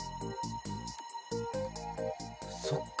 そっか